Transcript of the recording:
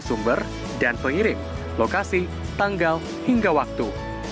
setelah sumber dan pengirim lokasi tanggal hingga waktu